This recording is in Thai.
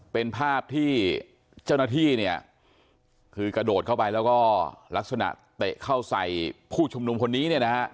เป็นภาพที่เจ้านาฏีคือกระโดดเข้าไปแล้วก็หลักศนะเตะเข้าใส่ผู้ชมนุมคนนี้